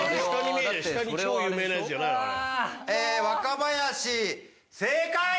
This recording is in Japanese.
若林正解！